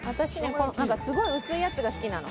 このなんかすごい薄いやつが好きなの。